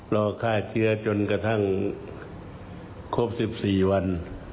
รอฆ่าเชื้อจนกระทั่งครบ๑๔วัน